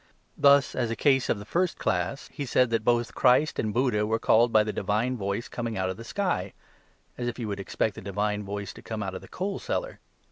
Thus, as a case of the first class, he said that both Christ and Buddha were called by the divine voice coming out of the sky, as if you would expect the divine voice to come out of the coal cellar.